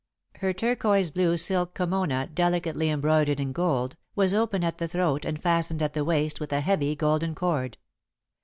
Her turquoise blue silk kimono, delicately embroidered in gold, was open at the throat and fastened at the waist with a heavy golden cord.